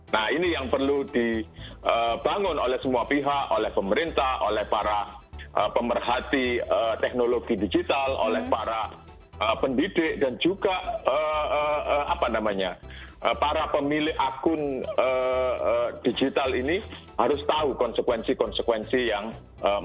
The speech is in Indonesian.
nah ini yang perlu dibangun oleh semua pihak oleh pemerintah oleh para pemerhati teknologi digital oleh para pendidik dan juga para pemilik akun digital ini harus tahu konsekuensi konsekuensi